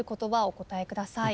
お答えください。